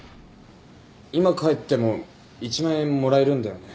今帰っても１万円もらえるんだよね？